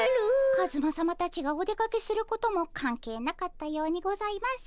カズマさまたちがお出かけすることも関係なかったようにございます。